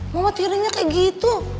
mama tirinya kayak gitu